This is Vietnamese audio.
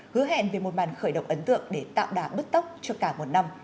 hứa hẹn về một màn khởi động ấn tượng để tạo đáng bức tốc cho cả một năm